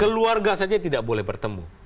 keluarga saja tidak boleh bertemu